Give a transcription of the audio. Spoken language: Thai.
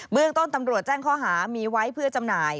เรื่องต้นตำรวจแจ้งข้อหามีไว้เพื่อจำหน่าย